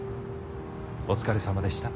お疲れさまでした。